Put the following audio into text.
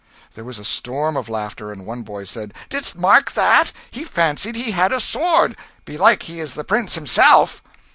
There was a storm of laughter, and one boy said "Didst mark that? He fancied he had a sword belike he is the prince himself."